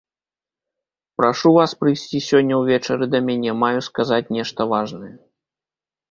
Прашу вас прыйсці сёння ўвечары да мяне, маю сказаць нешта важнае.